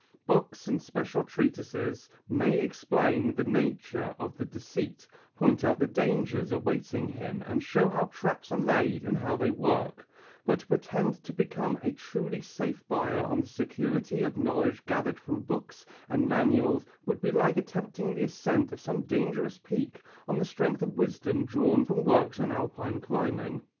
Books and special treatises may explain the nature of the deceit, point out the dangers awaiting him and show how traps are laid and how they work, but to pretend to become a truly safe buyer on the security of knowledge gathered from books and manuals would be like attempting the ascent of some dangerous peak on the strength of wisdom drawn from works on Alpine climbing.